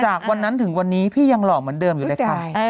จากวันนั้นถึงวันนี้พี่ยังหล่อเหมือนเดิมอยู่เลยค่ะ